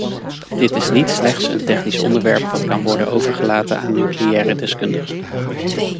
Dit is niet slechts een technisch onderwerp dat kan worden overgelaten aan nucleaire deskundigen.